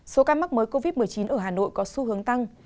số ca mắc mới covid một mươi chín ở hà nội có xu hướng tăng